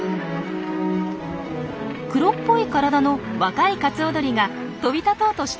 黒っぽい体の若いカツオドリが飛び立とうとしています。